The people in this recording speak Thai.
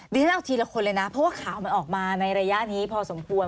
ฉันเอาทีละคนเลยนะเพราะว่าข่าวมันออกมาในระยะนี้พอสมควร